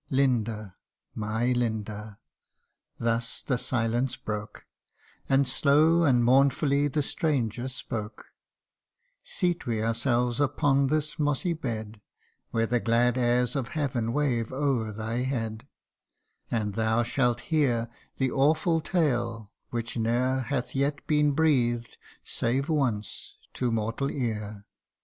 " Linda ! my Linda !" thus the silence broke, And slow and mournfully the stranger spoke, " Seat we ourselves upon this mossy bed, Where the glad airs of heaven wave o'er thy head, And thou shalt hear the awful tale which ne'er Hath yet been breathed, save once, to mortal ear.